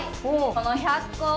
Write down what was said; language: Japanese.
この１００個を。